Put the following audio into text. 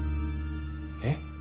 えっ？